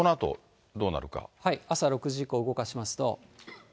朝６時以降動かしますと。